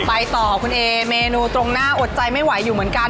ไปต่อคุณเอเมนูตรงหน้าอดใจไม่ไหวอยู่เหมือนกัน